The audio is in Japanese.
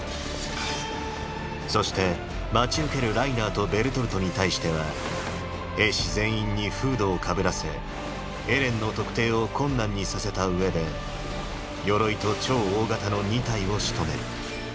そして待ち受けるライナーとベルトルトに対しては兵士全員にフードをかぶらせエレンの特定を困難にさせたうえで鎧と超大型の二体を仕留める。